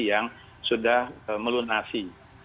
yang sudah melunasi